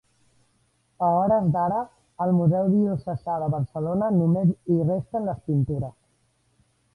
A hores d'ara, al Museu Diocesà de Barcelona només hi resten les pintures.